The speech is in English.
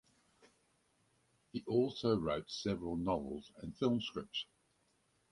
He also wrote several novels and film scripts.